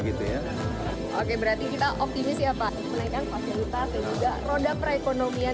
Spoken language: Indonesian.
terima kasih pak